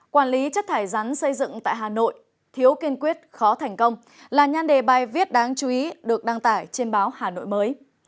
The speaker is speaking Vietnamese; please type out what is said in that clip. quản lý chất thải rắn xây dựng tại hà nội thiếu kiên quyết khó thành công là nhan đề bài viết đáng chú ý được đăng tải trên báo hà nội mới